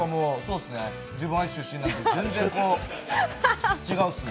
自分、愛知出身ですので、全然違うっすね。